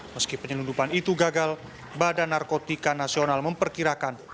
meski penyelundupan itu gagal badan narkotika nasional memperkirakan